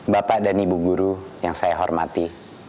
bapak dan ibu guru yang saya hormati